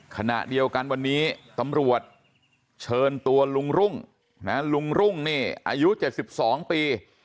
ขณะเดียวกันวันนี้ตำรวจเชิญตัวลุงรุ่งนะลุงรุ่งนี่อายุ๗๒ปี